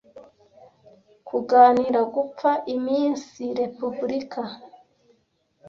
Kuganira gupfa iminsi ' Repubulika